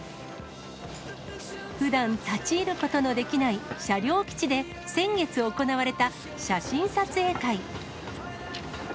ふだん立ち入ることのできない車両基地で、先月行われた写真撮影会。